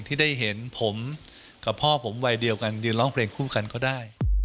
ที่ได้เห็นผมกับพ่อผมวัยเดียวกันยืนร้องเพลงคู่กันก็ได้